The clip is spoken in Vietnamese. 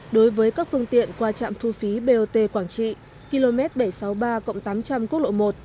đối với các phương tiện qua trạm thu phí bot quảng trị km bảy trăm sáu mươi ba tám trăm linh quốc lộ một